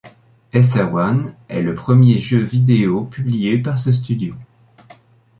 Ether One est le premier jeu vidéo publié par ce studio.